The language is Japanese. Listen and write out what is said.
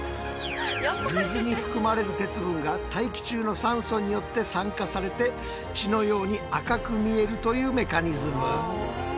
水に含まれる鉄分が大気中の酸素によって酸化されて血のように赤く見えるというメカニズム。